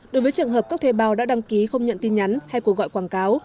đối với trường hợp các thuê bào đã đăng ký không nhận tin nhắn hay cua gọi quảng cáo